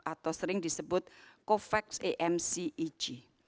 atau sering disebut covax amc eg